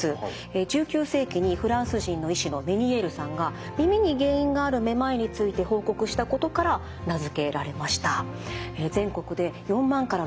１９世紀にフランス人の医師のメニエールさんが耳に原因があるめまいについて報告したことから名付けられました。